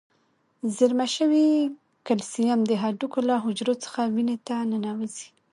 زیرمه شوي کلسیم د هډوکو له حجرو څخه وینې ته ننوزي.